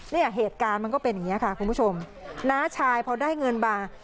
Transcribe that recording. เนี่ยเหตุการณ์มันก็เป็นอย่างนี้ค่ะคุณผู้ชมน้าชายพอได้เงินมา